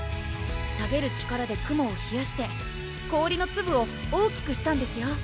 サゲる力で雲をひやして氷の粒を大きくしたんですよ